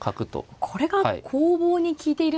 これが攻防に利いているんですね。